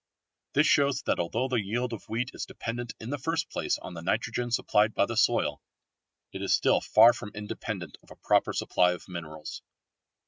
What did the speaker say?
This shows that although the yield of wheat is dependent in the first place on the nitrogen supplied by the soil, it is still far from independent of a proper supply of minerals.